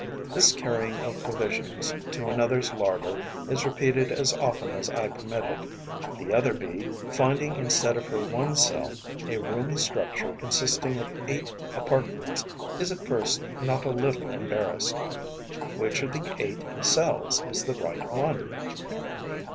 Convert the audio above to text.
This carrying of provisions to another's larder is repeated as often as I permit it. The other Bee, finding instead of her one cell a roomy structure consisting of eight apartments, is at first not a little embarrassed. Which of the eight cells is the right one?